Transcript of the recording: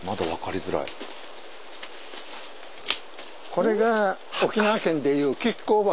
これが沖縄県でいう亀甲墓。